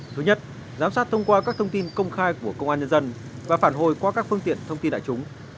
thứ nhất giám sát thông qua các thông tin công khai của công an nhân dân và phản hồi qua các phương tiện thông tin đại chúng